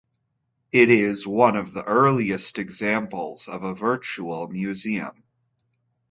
It is one of the earliest examples of a virtual museum.